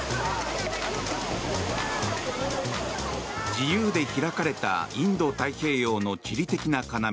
自由で開かれたインド太平洋の地理的な要